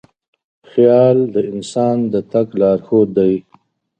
خیال د انسان د تګ لارښود دی.